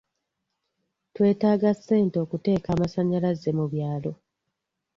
Twetaaga ssente okuteeka amasanyalaze mu byalo.